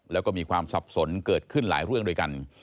แล้วก็มีความสับสนเกิดขึ้นหลายเรื่องด้วยกัน